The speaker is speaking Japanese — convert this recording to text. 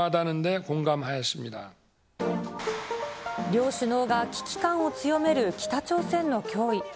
両首脳が、危機感を強める北朝鮮の脅威。